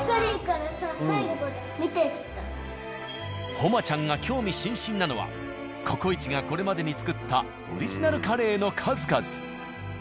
誉ちゃんが興味津々なのは「ココイチ」がこれまでに作ったオリジナルカレーの数々。